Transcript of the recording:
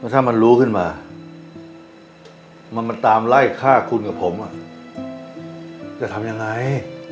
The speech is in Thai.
ถ้ามันรู้ขึ้นมามันตามไล่ฆ่าคุณกับผมจะทำยังไง